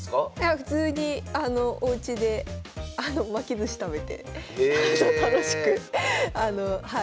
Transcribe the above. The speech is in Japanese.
普通におうちで巻きずし食べて楽しくゲームしたりとか。